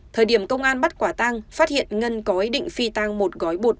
thời điểm công an bắt quả tang phát hiện ngân có ý định phi tăng một gói bột